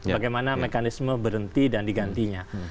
bagaimana mekanisme berhenti dan digantinya